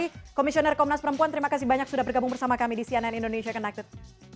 terima kasih komisioner komnas perempuan terima kasih banyak sudah bergabung bersama kami di cnn indonesia connected